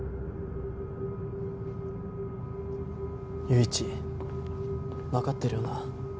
友一わかってるよな？